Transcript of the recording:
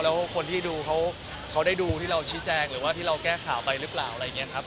แล้วคนที่ดูเขาได้ดูที่เราชี้แจงหรือว่าที่เราแก้ข่าวไปหรือเปล่าอะไรอย่างนี้ครับ